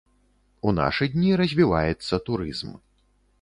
У нашы дні развіваецца турызм.